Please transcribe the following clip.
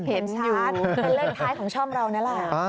เห็นชัดเป็นเลขท้ายของช่องเรานั่นแหละ